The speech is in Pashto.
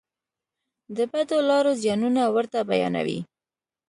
د بدو لارو زیانونه ورته بیانوي.